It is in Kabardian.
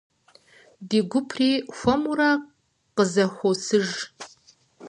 Ди гупри хуэмурэ къызэхуосыж.